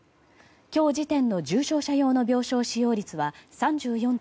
今日時点の重症者用の病床使用率は３４．３％。